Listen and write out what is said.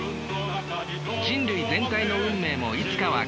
人類全体の運命もいつかは消える。